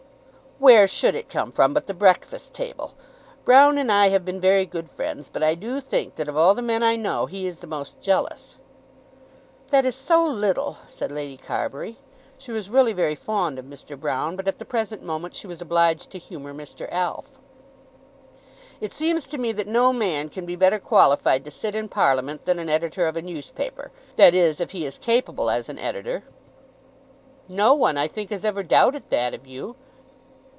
"Where should it come from but the 'Breakfast Table'? Broune and I have been very good friends, but I do think that of all the men I know he is the most jealous." "That is so little," said Lady Carbury. She was really very fond of Mr. Broune, but at the present moment she was obliged to humour Mr. Alf. "It seems to me that no man can be better qualified to sit in Parliament than an editor of a newspaper, that is if he is capable as an editor." "No one, I think, has ever doubted that of you."